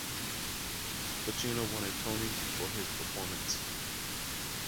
Pacino won a Tony for his performance.